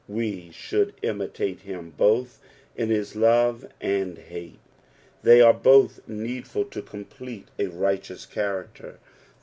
We eh on Id imitute him both in hie love and hute ; they are both needful to complete a rightoous character.